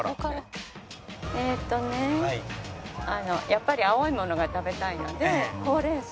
やっぱり青いものが食べたいのでほうれん草。